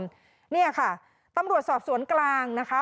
คุณผู้ชมเนี่ยค่ะตำรวจสอบสวนกลางนะคะ